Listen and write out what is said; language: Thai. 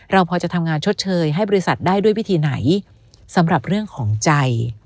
เราพอจะทำงานชดเชยให้บริษัทได้ด้วยวิธีไหนสำหรับเรื่องของใจ